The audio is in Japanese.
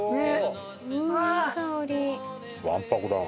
わんぱくだな。